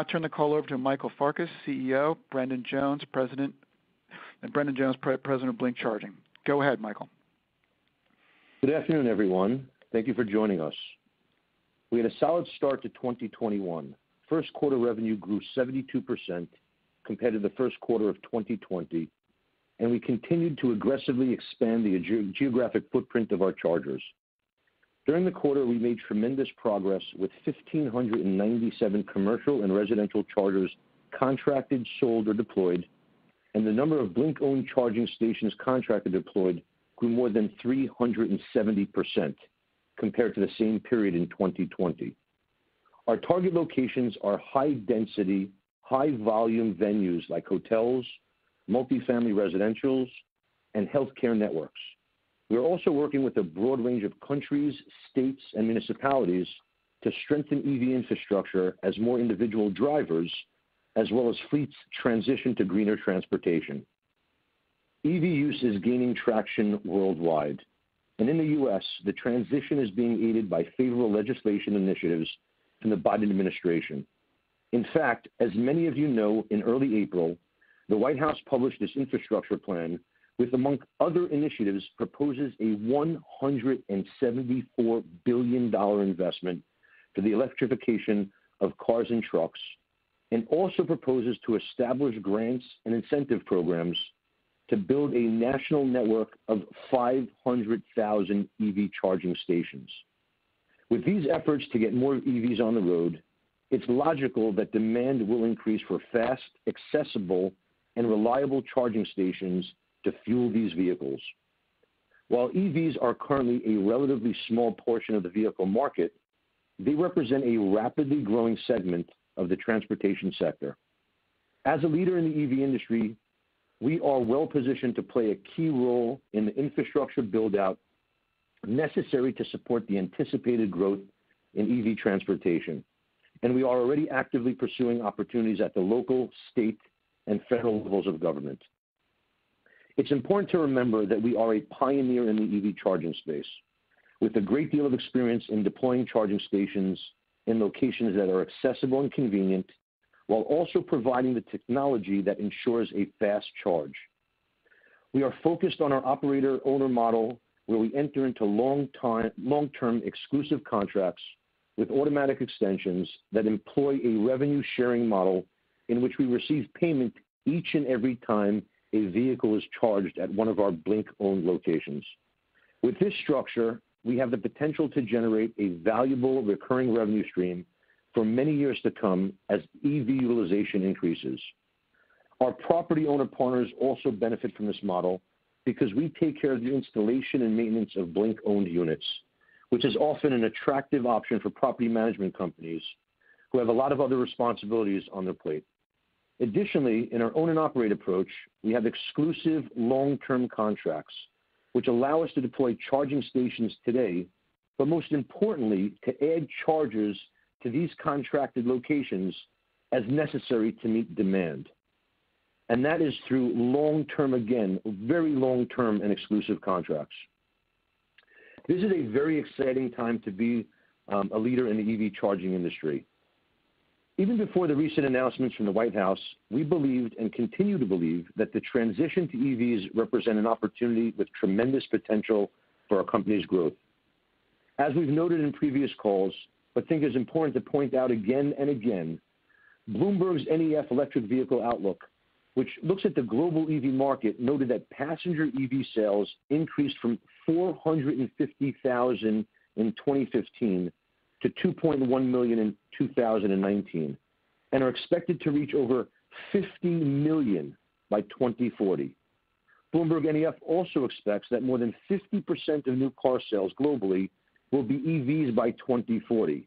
I'll turn the call over to Michael Farkas, CEO, and Brendan Jones, President of Blink Charging. Go ahead, Michael. Good afternoon, everyone. Thank you for joining us. We had a solid start to 2021. First quarter revenue grew 72% compared to the first quarter of 2020, and we continued to aggressively expand the geographic footprint of our chargers. During the quarter, we made tremendous progress with 1,597 commercial and residential chargers contracted, sold, or deployed, and the number of Blink-owned charging stations contracted deployed grew more than 370% compared to the same period in 2020. Our target locations are high-density, high-volume venues like hotels, multi-family residentials, and healthcare networks. We are also working with a broad range of countries, states, and municipalities to strengthen EV infrastructure as more individual drivers, as well as fleets, transition to greener transportation. EV use is gaining traction worldwide. In the U.S., the transition is being aided by federal legislation initiatives and the Biden administration. In fact, as many of you know, in early April, the White House published this infrastructure plan, which, among other initiatives, proposes a $174 billion investment for the electrification of cars and trucks, and also proposes to establish grants and incentive programs to build a national network of 500,000 EV charging stations. With these efforts to get more EVs on the road, it's logical that demand will increase for fast, accessible, and reliable charging stations to fuel these vehicles. While EVs are currently a relatively small portion of the vehicle market, they represent a rapidly growing segment of the transportation sector. As a leader in the EV industry, we are well-positioned to play a key role in the infrastructure build-out necessary to support the anticipated growth in EV transportation, and we are already actively pursuing opportunities at the local, state, and federal levels of government. It's important to remember that we are a pioneer in the EV charging space with a great deal of experience in deploying charging stations in locations that are accessible and convenient while also providing the technology that ensures a fast charge. We are focused on our operator-owner model, where we enter into long-term exclusive contracts with automatic extensions that employ a revenue-sharing model in which we receive payment each and every time a vehicle is charged at one of our Blink-owned locations. With this structure, we have the potential to generate a valuable recurring revenue stream for many years to come as EV utilization increases. Our property owner partners also benefit from this model because we take care of the installation and maintenance of Blink-owned units, which is often an attractive option for property management companies who have a lot of other responsibilities on their plate. Additionally, in our own and operate approach, we have exclusive long-term contracts, which allow us to deploy charging stations today, but most importantly, to add chargers to these contracted locations as necessary to meet demand. That is through long-term, again, very long-term and exclusive contracts. This is a very exciting time to be a leader in the EV charging industry. Even before the recent announcements from the White House, we believed and continue to believe that the transition to EVs represent an opportunity with tremendous potential for our company's growth. As we've noted in previous calls, but think it's important to point out again and again, BloombergNEF Electric Vehicle Outlook, which looks at the global EV market, noted that passenger EV sales increased from 450,000 in 2015 to 2.1 million in 2019 and are expected to reach over 50 million by 2040. BloombergNEF also expects that more than 50% of new car sales globally will be EVs by 2040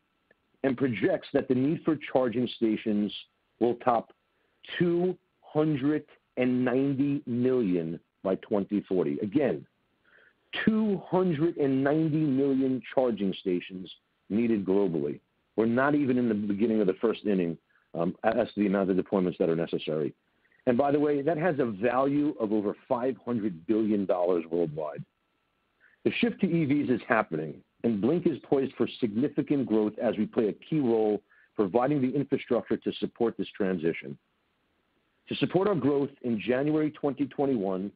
and projects that the need for charging stations will top 290 million by 2040. Again, 290 million charging stations needed globally. We're not even in the beginning of the first inning as to the amount of deployments that are necessary and by the way that has a value of over $500 billion worldwide. The shift to EVs is happening, and Blink is poised for significant growth as we play a key role providing the infrastructure to support this transition. To support our growth, in January 2021,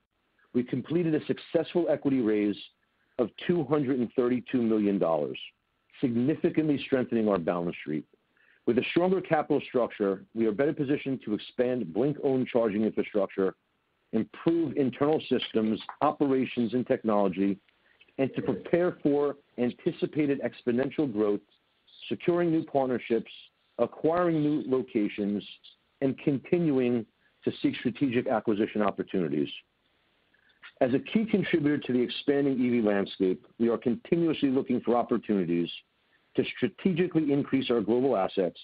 we completed a successful equity raise of $232 million, significantly strengthening our balance sheet. With a stronger capital structure, we are better positioned to expand Blink-owned charging infrastructure, improve internal systems, operations, and technology, and to prepare for anticipated exponential growth, securing new partnerships, acquiring new locations, and continuing to seek strategic acquisition opportunities. As a key contributor to the expanding EV landscape, we are continuously looking for opportunities to strategically increase our global assets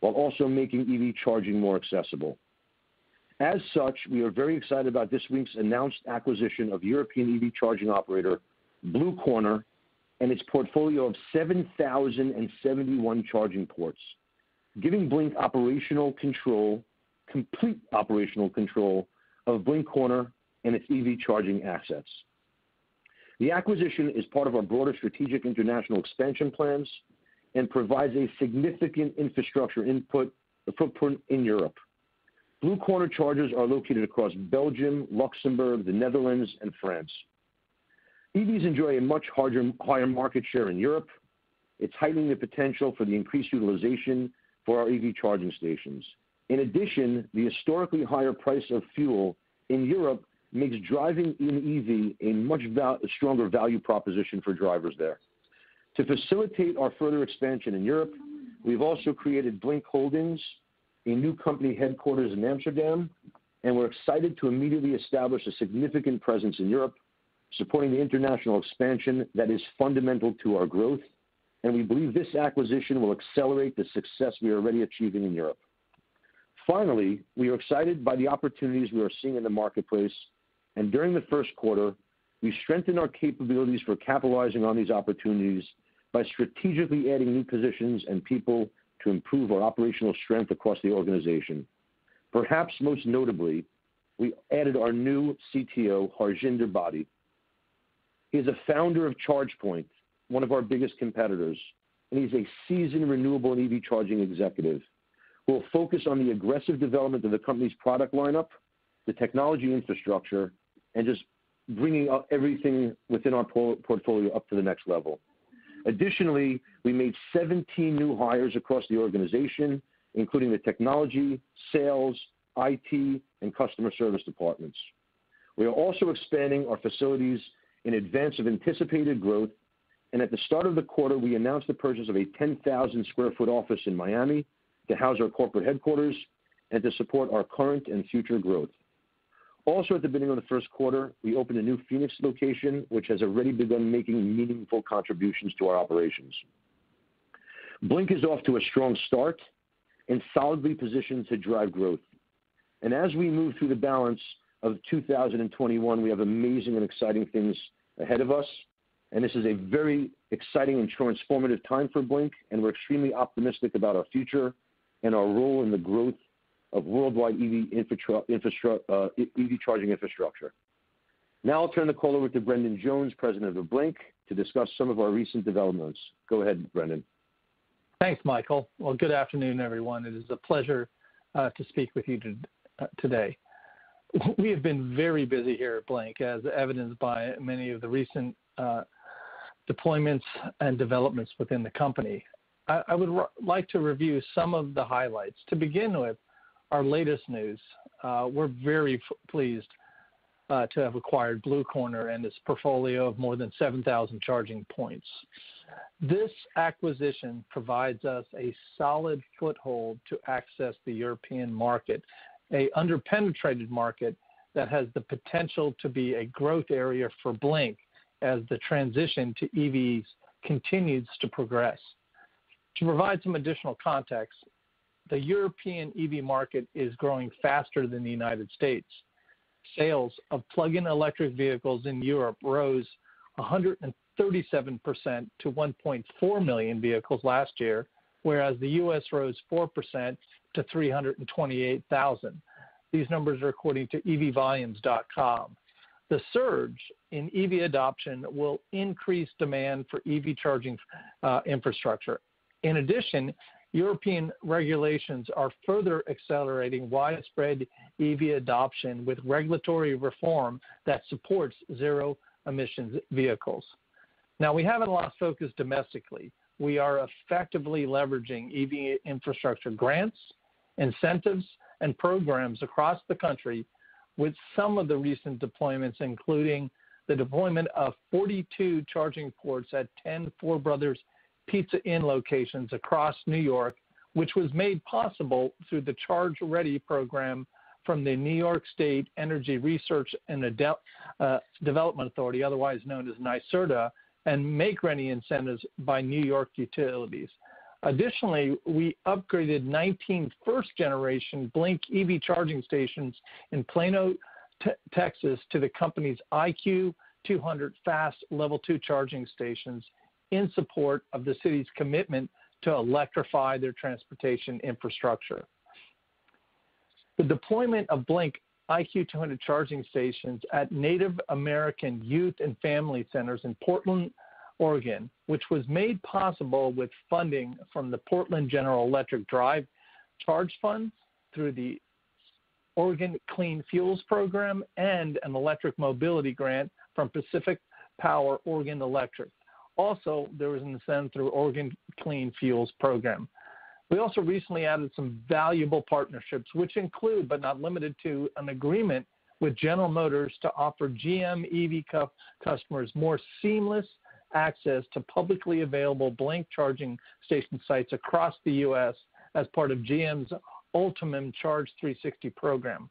while also making EV charging more accessible. As such, we are very excited about this week's announced acquisition of European EV charging operator, Blue Corner, and its portfolio of 7,071 charging ports, giving Blink complete operational control of Blue Corner and its EV charging assets. The acquisition is part of our broader strategic international expansion plans and provides a significant infrastructure footprint in Europe. Blue Corner chargers are located across Belgium, Luxembourg, the Netherlands, and France. EVs enjoy a much higher market share in Europe. It's heightening the potential for the increased utilization of our EV charging stations. In addition, the historically higher price of fuel in Europe makes driving an EV a much stronger value proposition for drivers there. To facilitate our further expansion in Europe, we've also created Blink Holdings, a new company headquarters in Amsterdam and we're excited to immediately establish a significant presence in Europe, supporting the international expansion that is fundamental to our growth. We believe this acquisition will accelerate the success we are already achieving in Europe. Finally, we are excited by the opportunities we are seeing in the marketplace. During the first quarter, we strengthened our capabilities for capitalizing on these opportunities by strategically adding new positions and people to improve our operational strength across the organization. Perhaps most notably, we added our new CTO, Harjinder Bhade. He's a Founder of ChargePoint, one of our biggest competitors, and he's a seasoned renewable and EV charging executive who will focus on the aggressive development of the company's product lineup, the technology infrastructure, and just bringing up everything within our portfolio up to the next level. Additionally, we made 17 new hires across the organization, including the technology, sales, IT, and customer service departments. We are also expanding our facilities in advance of anticipated growth, and at the start of the quarter, we announced the purchase of a 10,000 sq ft office in Miami to house our corporate headquarters and to support our current and future growth. Also at the beginning of the first quarter, we opened a new Phoenix location, which has already begun making meaningful contributions to our operations. Blink is off to a strong start and solidly positioned to drive growth. As we move through the balance of 2021, we have amazing and exciting things ahead of us, and this is a very exciting and transformative time for Blink, and we're extremely optimistic about our future and our role in the growth of worldwide EV charging infrastructure. Now I'll turn the call over to Brendan Jones, President of Blink, to discuss some of our recent developments. Go ahead, Brendan. Thanks, Michael. Good afternoon, everyone. It is a pleasure to speak with you today. We have been very busy here at Blink, as evidenced by many of the recent deployments and developments within the company. I would like to review some of the highlights. To begin with, our latest news. We're very pleased to have acquired Blue Corner and its portfolio of more than 7,000 charging points. This acquisition provides us a solid foothold to access the European market, an under-penetrated market that has the potential to be a growth area for Blink as the transition to EVs continues to progress. To provide some additional context, the European EV market is growing faster than the United States. Sales of plug-in electric vehicles in Europe rose 137% to 1.4 million vehicles last year, whereas the U.S. rose 4% to 328,000. These numbers are according to ev-volumes.com. The surge in EV adoption will increase demand for EV charging infrastructure. In addition, European regulations are further accelerating widespread EV adoption with regulatory reform that supports zero emissions vehicles. Now we haven't lost focus domestically. We are effectively leveraging EV infrastructure grants, incentives, and programs across the country with some of the recent deployments, including the deployment of 42 charging ports at 10 Four Brothers Pizza Inn locations across New York, which was made possible through the Charge Ready Program from the New York State Energy Research and Development Authority, otherwise known as NYSERDA, and Make Ready Incentives by New York Utilities. Additionally, we upgraded 19 first-generation Blink EV charging stations in Plano, Texas, to the company's IQ 200 Fast Level 2 charging stations in support of the city's commitment to electrify their transportation infrastructure. The deployment of Blink IQ 200 charging stations at Native American youth and family centers in Portland, Oregon, which was made possible with funding from the Portland General Electric Drive Change Fund through the Oregon Clean Fuels Program and an electric mobility grant from Pacific Power Oregon Electric. Also, there was an incentive through Oregon Clean Fuels Program. We also recently added some valuable partnerships, which include, but not limited to, an agreement with General Motors to offer GM EV customers more seamless access to publicly available Blink charging station sites across the U.S. as part of GM's Ultium Charge 360 program.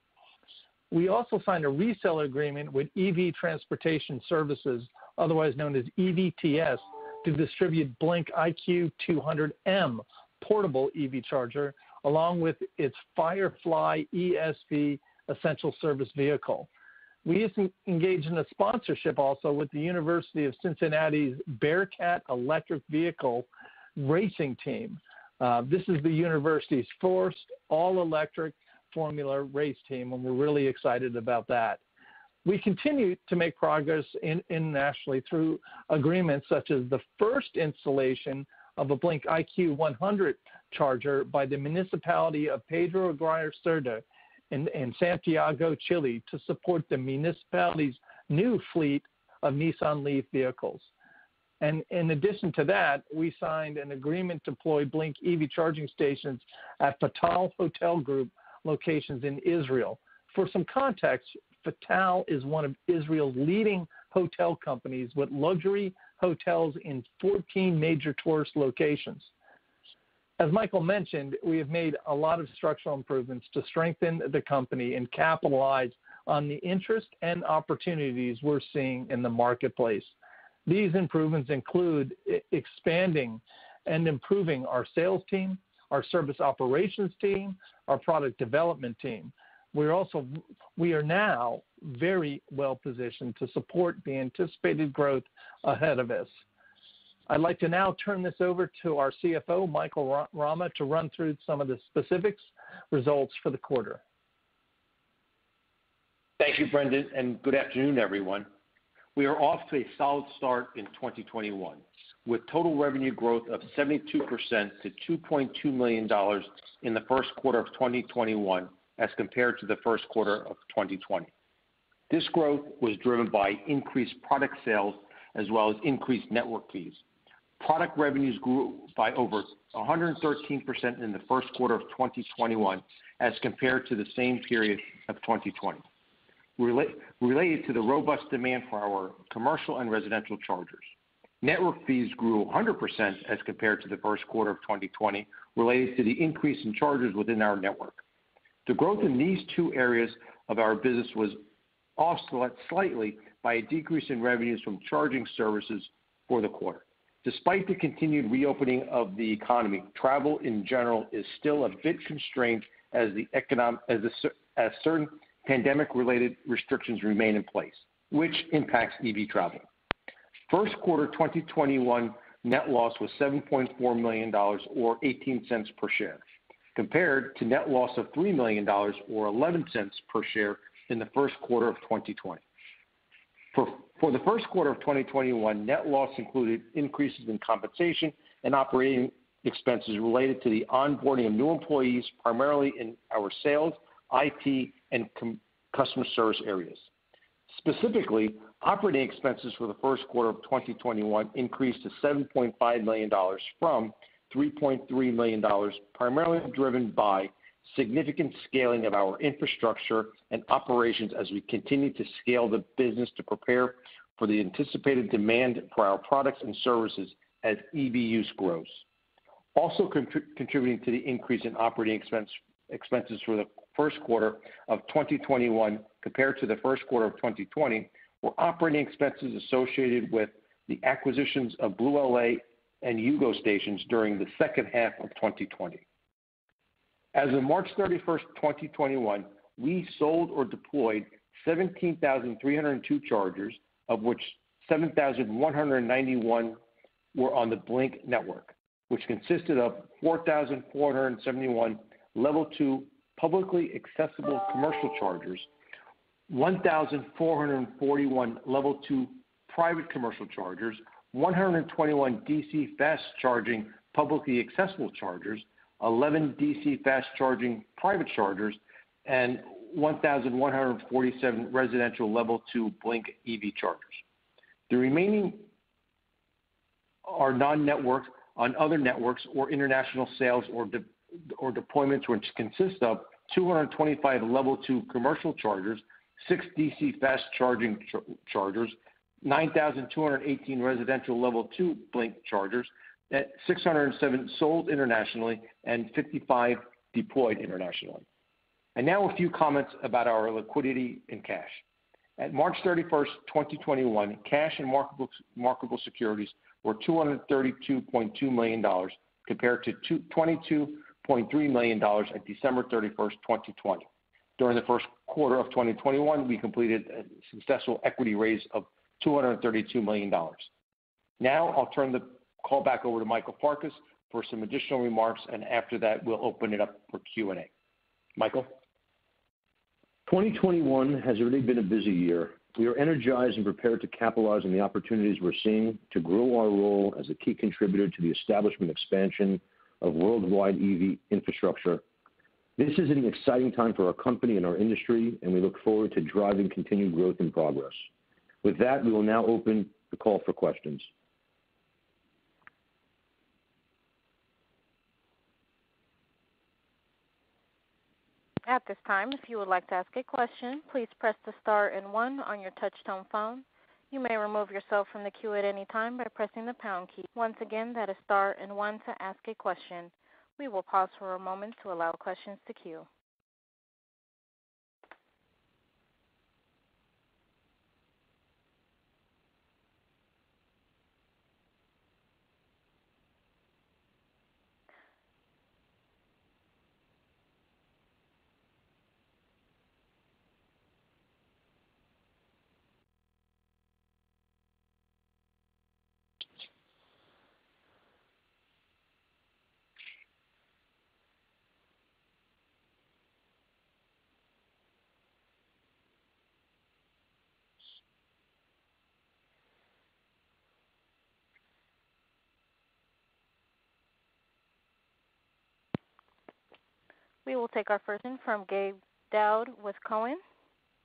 We also signed a reseller agreement with EV Transportation Services, otherwise known as EVTS, to distribute Blink IQ 200-M portable EV charger, along with its FireFly ESV essential service vehicle. We recently engaged in a sponsorship also with the University of Cincinnati's Bearcats Electric Vehicle Racing team. This is the university's first all-electric formula race team, and we're really excited about that. We continue to make progress internationally through agreements such as the first installation of a Blink IQ 200 charger by the municipality of Pedro Aguirre Cerda in Santiago, Chile, to support the municipality's new fleet of Nissan LEAF vehicles. In addition to that, we signed an agreement to deploy Blink EV charging stations at Fattal Hotel Group locations in Israel. For some context, Fattal is one of Israel's leading hotel companies with luxury hotels in 14 major tourist locations. As Michael mentioned, we have made a lot of structural improvements to strengthen the company and capitalize on the interest and opportunities we're seeing in the marketplace. These improvements include expanding and improving our sales team, our service operations team, our product development team. We are now very well-positioned to support the anticipated growth ahead of us. I'd like to now turn this over to our CFO, Michael Rama, to run through some of the specifics results for the quarter. Thank you, Brendan, and good afternoon, everyone. We are off to a solid start in 2021, with total revenue growth of 72% to $2.2 million in the first quarter of 2021 as compared to the first quarter of 2020. This growth was driven by increased product sales as well as increased network fees. Product revenues grew by over 113% in the first quarter of 2021 as compared to the same period of 2020, related to the robust demand for our commercial and residential chargers. Network fees grew 100% as compared to the first quarter of 2020, related to the increase in chargers within our network. The growth in these two areas of our business was offset slightly by a decrease in revenues from charging services for the quarter. Despite the continued reopening of the economy, travel, in general, is still a bit constrained as certain pandemic-related restrictions remain in place, which impacts EV travel. First quarter 2021 net loss was $7.4 million, or $0.18 per share, compared to net loss of $3 million, or $0.11 per share in the first quarter of 2020. For the first quarter of 2021, net loss included increases in compensation and operating expenses related to the onboarding of new employees, primarily in our sales, IT, and customer service areas. Specifically, operating expenses for the first quarter of 2021 increased to $7.5 million from $3.3 million, primarily driven by significant scaling of our infrastructure and operations as we continue to scale the business to prepare for the anticipated demand for our products and services as EV use grows. Also contributing to the increase in operating expenses for the first quarter of 2021 compared to the first quarter of 2020, were operating expenses associated with the acquisitions of BlueLA and U-Go Stations during the second half of 2020. As of March 31st, 2021, we sold or deployed 17,302 chargers, of which 7,191 were on the Blink Network, which consisted of 4,471 Level 2 publicly accessible commercial chargers, 1,441 Level 2 private commercial chargers, 121 DC fast charging publicly accessible chargers, 11 DC fast charging private chargers, and 1,147 residential Level 2 Blink EV chargers. The remaining are non-networked on other networks or international sales or deployments, which consist of 225 Level 2 commercial chargers, six DC fast charging chargers, 9,218 residential Level 2 Blink chargers, 607 sold internationally, and 55 deployed internationally. Now a few comments about our liquidity and cash. At March 31st, 2021, cash and marketable securities were $232.2 million, compared to $22.3 million at December 31st, 2020. During the first quarter of 2021, we completed a successful equity raise of $232 million. Now, I'll turn the call back over to Michael Farkas for some additional remarks, and after that, we'll open it up for Q&A. Michael? 2021 has really been a busy year. We are energized and prepared to capitalize on the opportunities we're seeing to grow our role as a key contributor to the establishment expansion of worldwide EV infrastructure. This is an exciting time for our company and our industry, and we look forward to driving continued growth and progress. With that, we will now open the call for questions. At this time, if you would like to ask a question, please press star and one your touchtone phone. You may remove yourself from the queue at any time by pressing the pound key. Once again, press star one and one to ask a question. We will pause for a moment to allow questions from the queue. We will take our first in from Gabe Daoud with Cowen.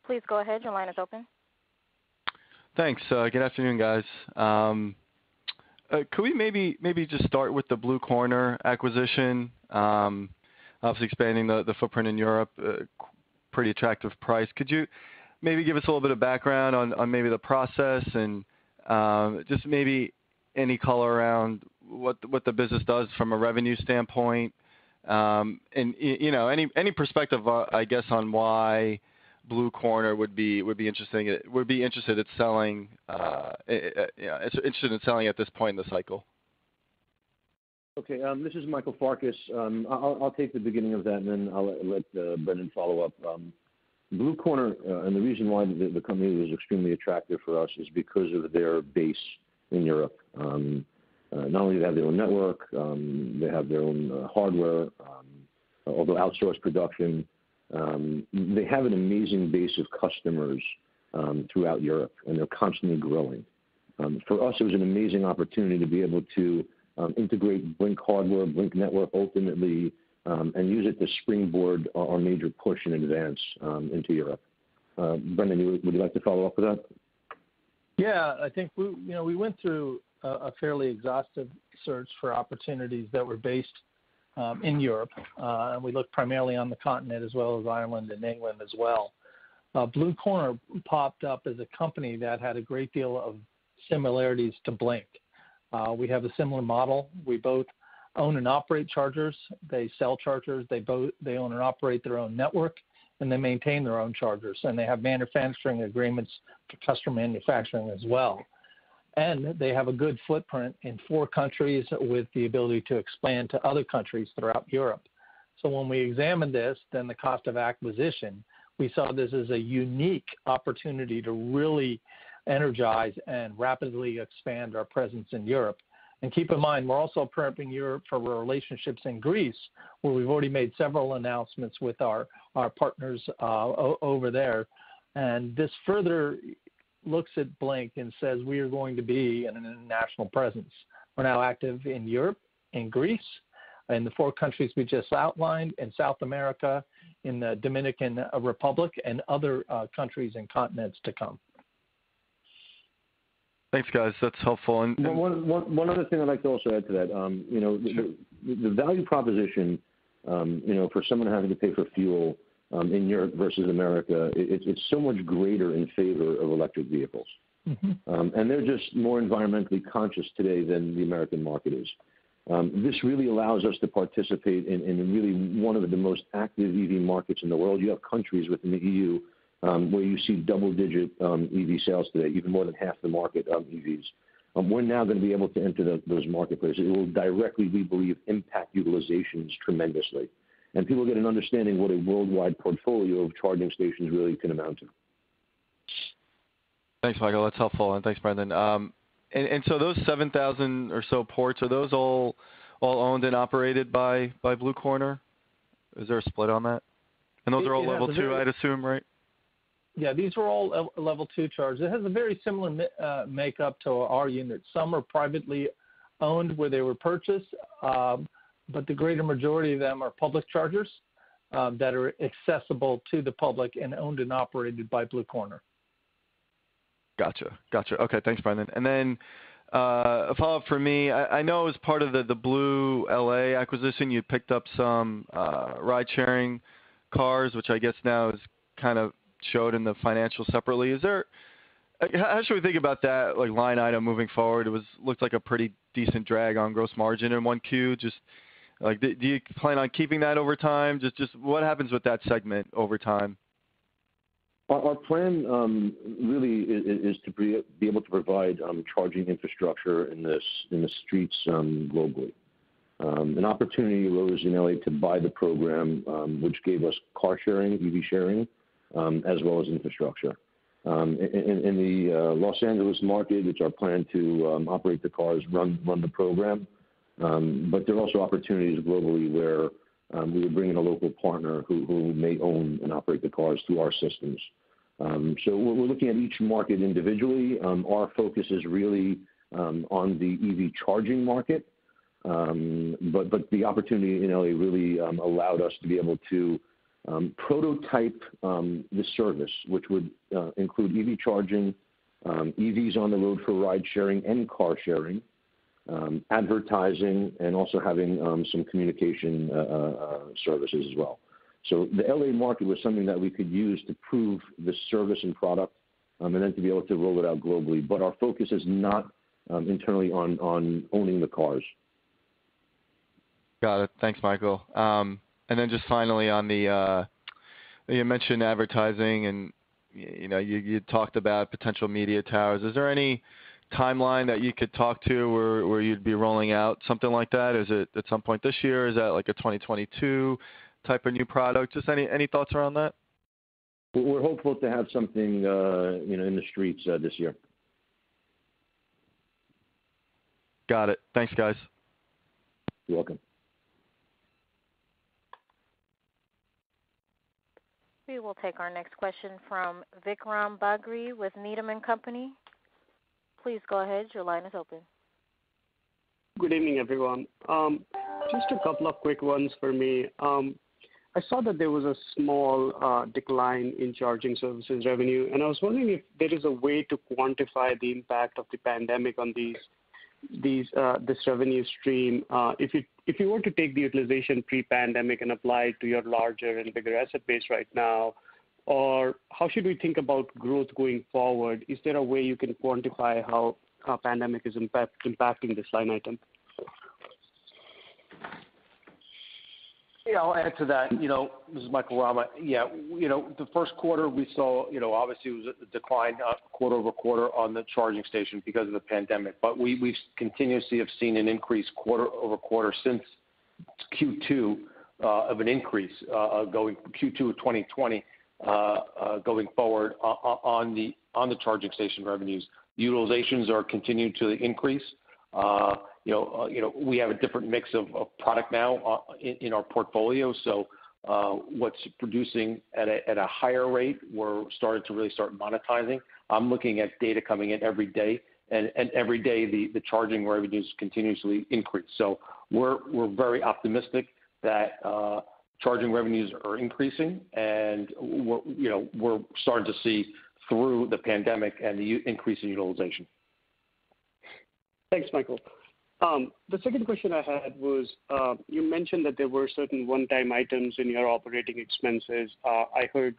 Please go ahead. Your line is open. Thanks. Good afternoon, guys. Could we maybe just start with the Blue Corner acquisition obviously expanding the footprint in Europe, pretty attractive price? Could you maybe give us a little bit of background on maybe the process and, just maybe any color around what the business does from a revenue standpoint? Any perspective, I guess, on why Blue Corner would be interested in selling at this point in the cycle? Okay. This is Michael Farkas. I'll take the beginning of that and then I'll let Brendan follow up. Blue Corner, the reason why the company was extremely attractive for us is because of their base in Europe. Not only do they have their own network, they have their own hardware although outsourced production. They have an amazing base of customers throughout Europe, and they're constantly growing. For us, it was an amazing opportunity to be able to integrate Blink hardware, Blink Network ultimately, and use it to springboard our major push and advance into Europe. Brendan, would you like to follow up with that? Yeah, I think we went through a fairly exhaustive search for opportunities that were based in Europe. We looked primarily on the continent as well as Ireland and England as well. Blue Corner popped up as a company that had a great deal of similarities to Blink. We have a similar model. We both own and operate chargers. They sell chargers. They own and operate their own network, and they maintain their own chargers and they have manufacturing agreements for customer manufacturing as well and they have a good footprint in four countries with the ability to expand to other countries throughout Europe. When we examined this, the cost of acquisition, we saw this as a unique opportunity to really energize and rapidly expand our presence in Europe. Keep in mind, we're also prepping Europe for relationships in Greece, where we've already made several announcements with our partners over there. This further looks at Blink and says we are going to be an international presence. We're now active in Europe, in Greece, in the four countries we just outlined, in South America, in the Dominican Republic, and other countries and continents to come. Thanks, guys. That's helpful. One other thing I'd like to also add to that. Sure. The value proposition for someone having to pay for fuel in Europe versus America, it's so much greater in favor of electric vehicles. They're just more environmentally conscious today than the American market is. This really allows us to participate in really one of the most active EV markets in the world. You have countries within the EU, where you see double-digit EV sales today, even more than half the market of EVs. We're now going to be able to enter those marketplaces. It will directly, we believe, impact utilizations tremendously. People get an understanding what a worldwide portfolio of charging stations really can amount to. Thanks, Michael. That's helpful. Thanks, Brendan. Those 7,000 or so ports, are those all owned and operated by Blue Corner? Is there a split on that? Those are all Level 2, I'd assume, right? Yeah. These are all Level 2 chargers. It has a very similar makeup to our units. Some are privately owned where they were purchased. The greater majority of them are public chargers that are accessible to the public and owned and operated by Blue Corner. Got you. Okay, thanks, Brendan. A follow-up from me. I know as part of the BlueLA acquisition, you picked up some ride-sharing cars, which I guess now is kind of showed in the financials separately. How should we think about that line item moving forward? It looked like a pretty decent drag on gross margin in 1Q. Do you plan on keeping that over time? Just what happens with that segment over time? Our plan, really, is to be able to provide charging infrastructure in the streets globally. An opportunity rose in L.A. to buy the program, which gave us car sharing, EV sharing, as well as infrastructure. In the Los Angeles market, it's our plan to operate the cars, run the program. There are also opportunities globally where we would bring in a local partner who may own and operate the cars through our systems. We're looking at each market individually. Our focus is really on the EV charging market. The opportunity in L.A. really allowed us to be able to prototype the service, which would include EV charging, EVs on the road for ride-sharing and car sharing, advertising, and also having some communication services as well. The L.A. market was something that we could use to prove the service and product, and then to be able to roll it out globally. Our focus is not internally on owning the cars. Got it. Thanks, Michael. Just finally, you mentioned advertising and you talked about potential media towers. Is there any timeline that you could talk to where you'd be rolling out something like that? Is it at some point this year? Is that like a 2022 type of new product? Just any thoughts around that? We're hopeful to have something in the streets this year. Got it. Thanks, guys. You're welcome. We will take our next question from Vikram Bagri with Needham & Company. Please go ahead. Your line is open. Good evening, everyone. Just a couple of quick ones for me. I saw that there was a small decline in charging services revenue, and I was wondering if there is a way to quantify the impact of the pandemic on this revenue stream. If you were to take the utilization pre-pandemic and apply it to your larger and bigger asset base right now, or how should we think about growth going forward? Is there a way you can quantify how pandemic is impacting this line item? I'll add to that. This is Michael Rama. The first quarter we saw, obviously it was a decline quarter-over-quarter on the charging station because of the pandemic. We continuously have seen an increase quarter-over-quarter since Q2 of 2020, going forward on the charging station revenues. Utilizations are continuing to increase. We have a different mix of product now in our portfolio, so what's producing at a higher rate, we're starting to really start monetizing. I'm looking at data coming in every day, and every day the charging revenues continuously increase. We're very optimistic that charging revenues are increasing, and we're starting to see through the pandemic and the increase in utilization. Thanks, Michael. The second question I had was, you mentioned that there were certain one-time items in your operating expenses. I heard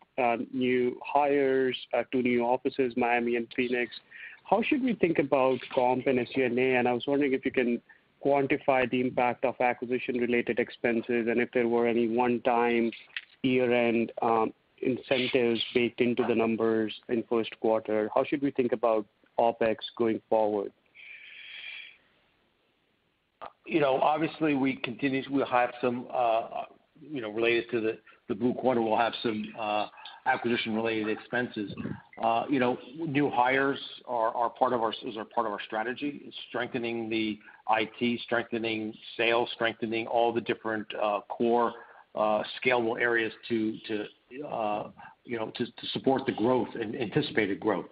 new hires, two new offices, Miami and Phoenix. How should we think about comp and SG&A? I was wondering if you can quantify the impact of acquisition-related expenses and if there were any one-time year-end incentives baked into the numbers in first quarter. How should we think about OpEx going forward? Obviously we'll have some, related to the Blue Corner, we'll have some acquisition-related expenses. New hires is a part of our strategy, strengthening the IT, strengthening sales, strengthening all the different core scalable areas to support the anticipated growth.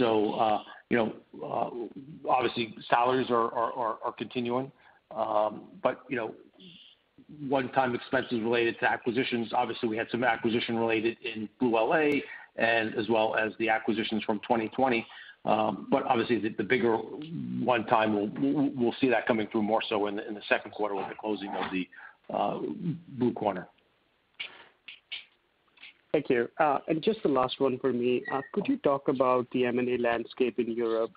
Obviously salaries are continuing. One-time expenses related to acquisitions, obviously we had some acquisition related in BlueLA, and as well as the acquisitions from 2020. Obviously the bigger one time, we'll see that coming through more so in the second quarter with the closing of the Blue Corner. Thank you. Just the last one for me. Could you talk about the M&A landscape in Europe?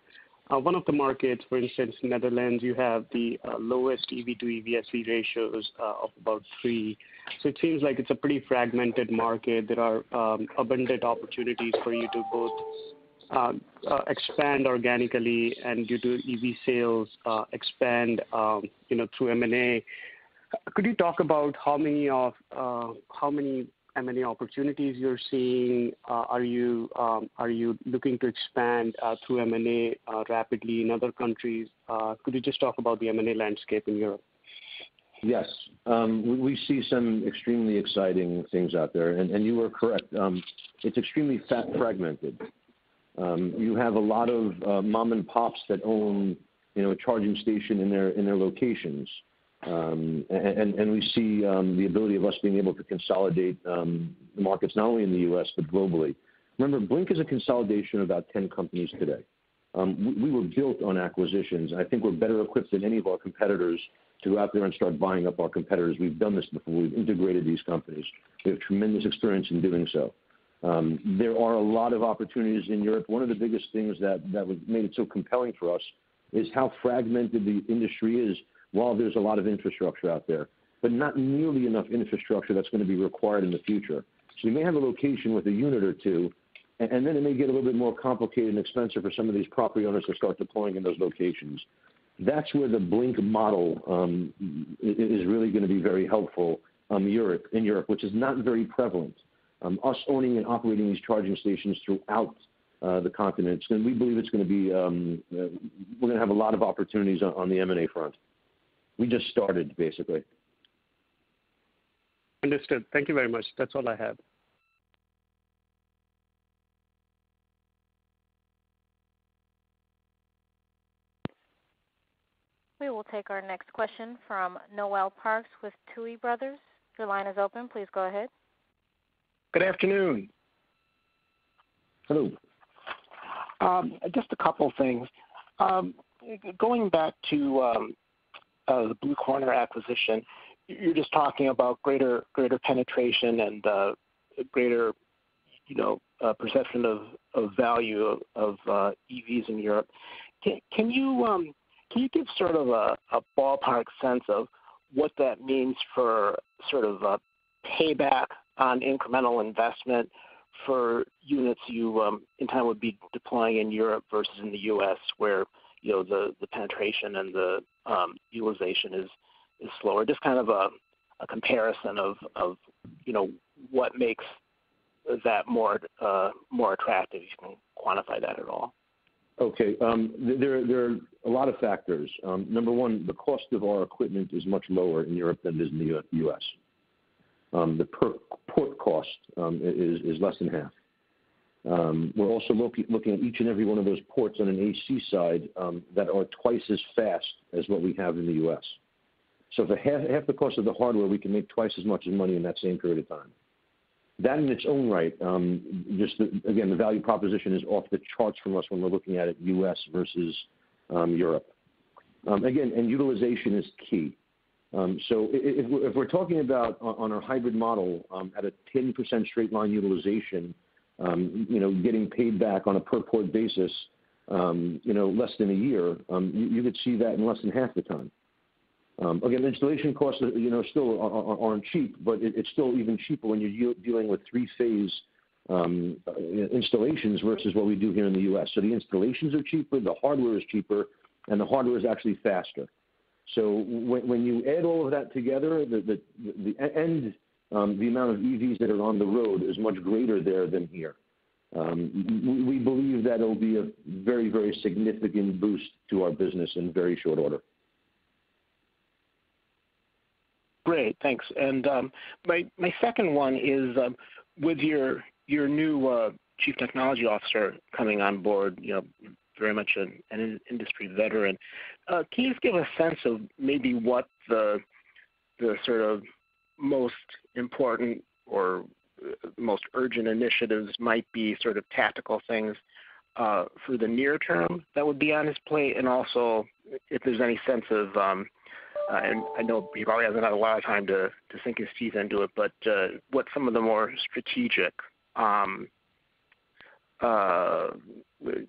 One of the markets, for instance, Netherlands, you have the lowest EV to EVSE ratios of about three. It seems like it's a pretty fragmented market. There are abundant opportunities for you to both expand organically and due to EV sales expand through M&A. Could you talk about how many M&A opportunities you're seeing? Are you looking to expand through M&A rapidly in other countries? Could you just talk about the M&A landscape in Europe? Yes. We see some extremely exciting things out there. You are correct. It's extremely fragmented. You have a lot of mom and pops that own a charging station in their locations and then we see the ability of us being able to consolidate the markets, not only in the U.S., but globally. Remember, Blink is a consolidation of about 10 companies today. We were built on acquisitions. I think we're better equipped than any of our competitors to go out there and start buying up our competitors. We've done this before. We've integrated these companies. We have tremendous experience in doing so. There are a lot of opportunities in Europe. One of the biggest things that made it so compelling for us is how fragmented the industry is. There's a lot of infrastructure out there. Not nearly enough infrastructure that's going to be required in the future. You may have a location with a unit or two, and then it may get a little bit more complicated and expensive for some of these property owners to start deploying in those locations. That is where the Blink model is really going to be very helpful in Europe, which is not very prevalent, us owning and operating these charging stations throughout the continent, and we believe we are going to have a lot of opportunities on the M&A front. We just started, basically. Understood. Thank you very much. That's all I have. We will take our next question from Noel Parks with Tuohy Brothers. Your line is open. Please go ahead. Good afternoon. Hello. Just a couple of things. Going back to the Blue Corner acquisition, you're just talking about greater penetration and greater perception of value of EVs in Europe. Can you give sort of a ballpark sense of what that means for sort of a payback on incremental investment for units you in time would be deploying in Europe versus in the U.S. where the penetration and the utilization is slower? Just kind of a comparison of what makes that more attractive? If you can quantify that at all. Okay. There are a lot of factors. Number one, the cost of our equipment is much lower in Europe than it is in the U.S. The per-port cost is less than half. We're also looking at each and every one of those ports on an AC side that are twice as fast as what we have in the U.S. For half the cost of the hardware, we can make twice as much money in that same period of time. That in its own right, just again, the value proposition is off the charts from us when we're looking at it U.S. versus Europe. Again, utilization is key. If we're talking about on our hybrid model, at a 10% straight line utilization, getting paid back on a per-port basis less than a year, you could see that in less than half the time. Again, installation costs still aren't cheap, it's still even cheaper when you're dealing with three-phase installations versus what we do here in the U.S. The installations are cheaper, the hardware is cheaper, and the hardware is actually faster. When you add all of that together, the end amount of EVs that are on the road is much greater there than here. We believe that it'll be a very, very significant boost to our business in very short order. Great. Thanks. My second one is, with your new Chief Technology Officer coming on board, very much an industry veteran, can you give a sense of maybe what the sort of most important or most urgent initiatives might be, sort of tactical things for the near term that would be on his plate, and also if there's any sense of, I know he probably hasn't had a lot of time to sink his teeth into it, but what some of the more strategic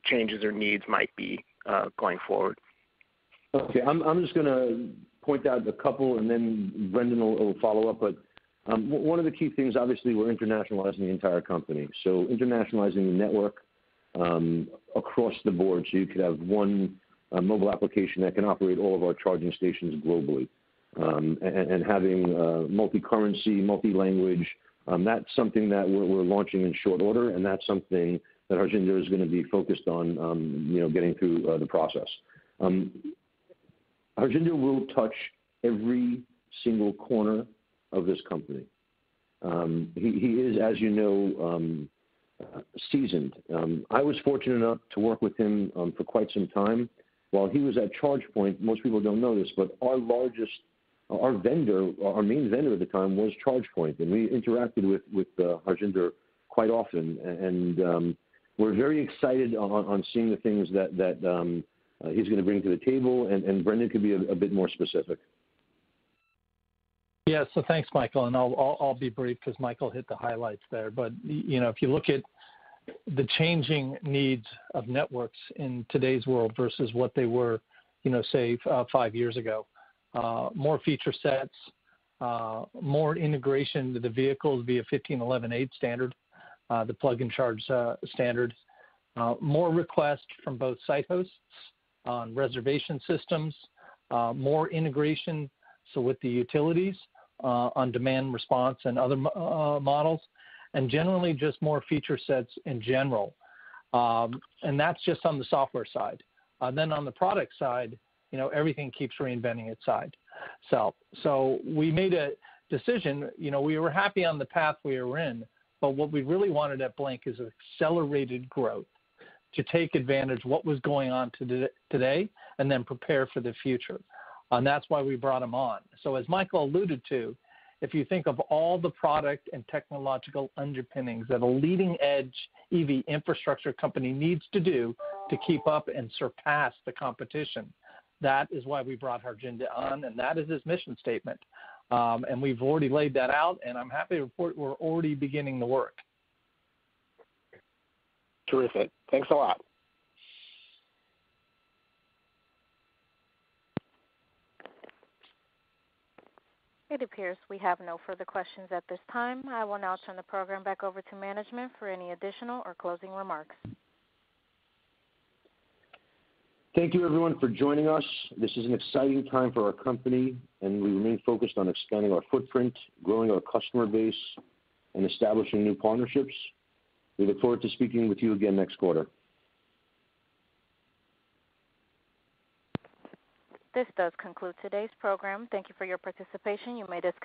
changes or needs might be going forward? Okay. I'm just going to point out a couple and then Brendan will follow up. One of the key things, obviously, we're internationalizing the entire company. Internationalizing the network across the board, so you could have one mobile application that can operate all of our charging stations globally. Having multi-currency, multi-language, that's something that we're launching in short order, and that's something that Harjinder is going to be focused on getting through the process. Harjinder will touch every single corner of this company. He is, as you know, seasoned. I was fortunate enough to work with him for quite some time while he was at ChargePoint. Most people don't know this, but our main vendor at the time was ChargePoint, and we interacted with Harjinder quite often, and we're very excited on seeing the things that he's going to bring to the table, and Brendan can be a bit more specific. Yeah. Thanks, Michael, and I'll be brief because Michael hit the highlights there. If you look at the changing needs of networks in today's world versus what they were, say, five years ago, more feature sets, more integration with the vehicles via ISO 15118 standard, the Plug & Charge standard. More requests from both site hosts on reservation systems. More integration with the utilities on demand response and other models, generally just more feature sets in general and that's just on the software side. On the product side, everything keeps reinventing itself. We made a decision. We were happy on the path we were in, what we really wanted at Blink is accelerated growth to take advantage what was going on today then prepare for the future. That's why we brought him on. As Michael alluded to, if you think of all the product and technological underpinnings that a leading-edge EV infrastructure company needs to do to keep up and surpass the competition, that is why we brought Harjinder on, and that is his mission statement. We've already laid that out, and I'm happy to report we're already beginning the work. Terrific. Thanks a lot. It appears we have no further questions at this time. I will now turn the program back over to management for any additional or closing remarks. Thank you everyone for joining us. This is an exciting time for our company, and we remain focused on expanding our footprint, growing our customer base, and establishing new partnerships. We look forward to speaking with you again next quarter. This does conclude today's program. Thank you for your participation. You may disconnect.